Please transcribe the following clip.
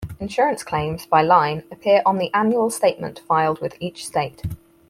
Insurance claims by line appear on the Annual Statement filed with each state.